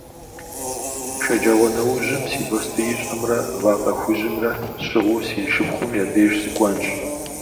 Шэджагъуэнэужьым си бостеищӏэмрэ вакъэ хужьымрэ сщыгъыу си шыпхъум я деж сыкӏуэнщ.